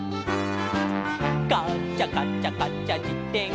「カチャカチャカチャじてん